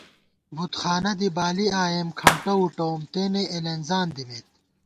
بُتخانہ دی بالی آئېم ،کھمٹہ وُٹَوُم، تېنے اېلېنزان دِمېت